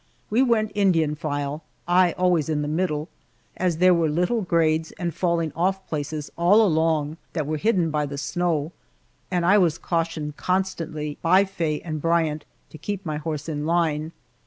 We went Indian file I always in the middle as there were little grades and falling off places all along that were hidden by the snow, and I was cautioned constantly by Faye and Bryant to keep my horse in line.